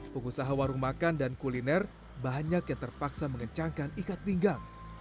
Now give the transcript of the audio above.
pengusaha warung makan dan kuliner banyak yang terpaksa mengencangkan ikat pinggang